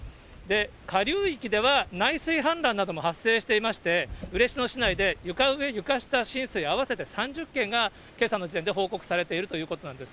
下流域では内水氾濫なども発生していまして、嬉野市内で床上床下浸水合わせて３０件が、けさの時点で報告されているということなんです。